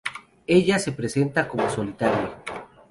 Ella se presenta como Solitaire.